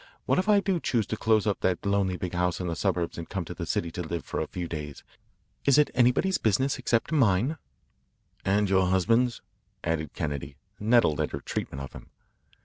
What if I do choose to close up that lonely big house in the suburbs and come to the city to live for a few days is it anybody's business except mine?" "And your husband's?" added Kennedy, nettled at her treatment of him.